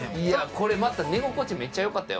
これ、寝心地めっちゃよかったよ。